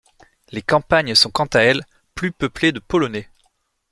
Les campagnes sont quant à elles plus peuplées de Polonais.